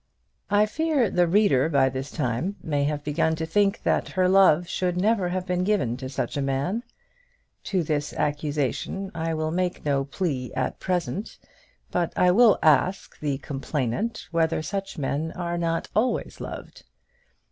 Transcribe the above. I fear the reader by this time may have begun to think that her love should never have been given to such a man. To this accusation I will make no plea at present, but I will ask the complainant whether such men are not always loved.